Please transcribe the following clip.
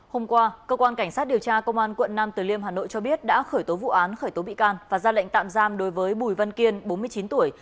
hôm qua cơ quan cảnh sát điều tra công an quận nam từ liêm hà nội cho biết đã khởi tố vụ án khởi tố bị can và ra lệnh tạm giam đối với bùi văn kiên bốn mươi chín tuổi